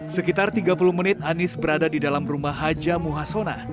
sekitar tiga puluh menit anis berada di dalam rumah haja muhasona